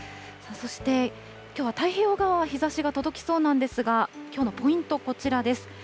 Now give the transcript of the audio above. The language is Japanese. そして、きょうは太平洋側は日ざしが届きそうなんですが、きょうのポイント、こちらです。